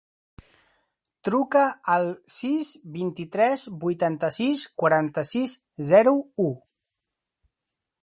Truca al sis, vint-i-tres, vuitanta-sis, quaranta-sis, zero, u.